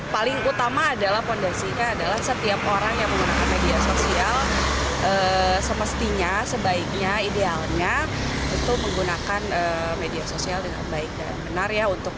paling utama adalah fondasinya adalah setiap orang yang menggunakan media sosial semestinya sebaiknya idealnya itu menggunakan media sosial dengan baik dan benar ya